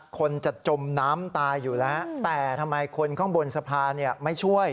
คนจะจมน้ำตายอยู่แล้วแต่ทำไมคนข้างบนสะพานไม่ช่วย